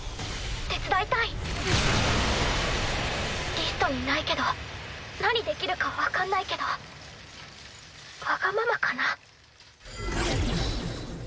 リストにないけど何できるか分かんないけどわがままかな？